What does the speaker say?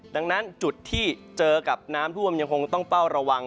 ดังนั้นจุดที่เจอกับน้ำท่วมยังคงต้องเป้าระวัง